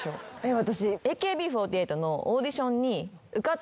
私。